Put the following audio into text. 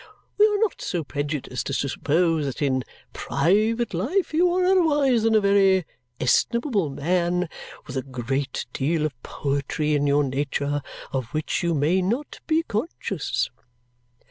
We are not so prejudiced as to suppose that in private life you are otherwise than a very estimable man, with a great deal of poetry in your nature, of which you may not be conscious."